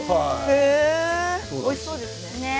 おいしそうです。